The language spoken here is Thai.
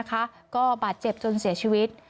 ก็บาดเจ็บจนเสียชีวิต